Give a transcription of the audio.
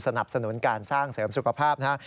สนับสนุนการสร้างเสริมสุขภาพนะครับ